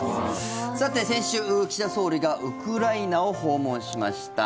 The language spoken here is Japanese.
さて先週、岸田総理がウクライナを訪問しました。